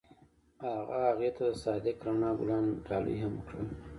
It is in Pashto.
هغه هغې ته د صادق رڼا ګلان ډالۍ هم کړل.